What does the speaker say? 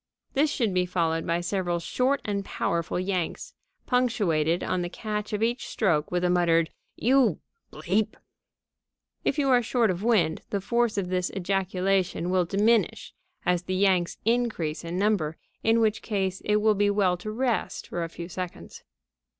This should be followed by several short and powerful yanks, punctuated on the catch of each stroke with a muttered: "You !" If you are short of wind, the force of this ejaculation may diminish as the yanks increase in number, in which case it will be well to rest for a few seconds.